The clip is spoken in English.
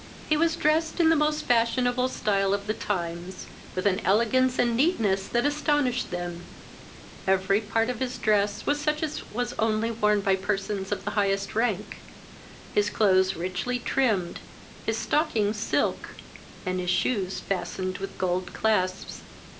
He was drest in the most fashionable stile of the times, with an elegance and neatness that astonished them: every part of his dress was such as was only worn by persons of the highest rank, his clothes richly trimmed, his stockings silk, and his shoes fastened with gold clasps.